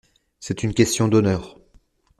C’est une question d’honneur.